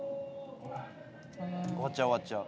終わっちゃう終わっちゃう。